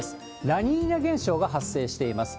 ラニーニャ現象が発生しています。